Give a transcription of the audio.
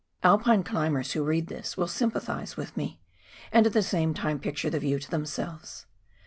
Alpine climbers who read this will sympathise with me, and at the same time picture the view to themselves.